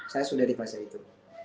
saya sudah di fase itu